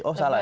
oh salah ya